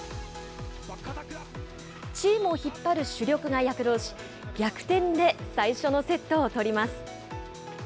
チームを引っ張る主力が躍動し、逆転で最初のセットを取ります。